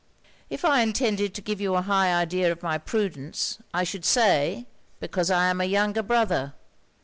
'If I intended to give you a high idea of my prudence, I should say, because I am a younger brother.